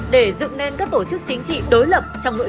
để dựng nên các tổ chức chính trị đối lập trong nội bộ